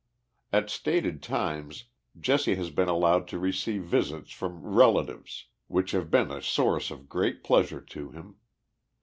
At stated times Jesse lias been allowed to receive visits from * relatives, which have been a source of great pleasure to him.